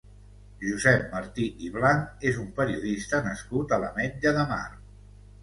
Josep Martí i Blanch és un periodista nascut a l'Ametlla de Mar.